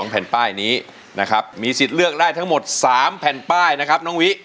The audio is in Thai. แผ่นป้ายนี้นะครับมีสิทธิ์เลือกได้ทั้งหมด๓แผ่นป้ายนะครับน้องวิ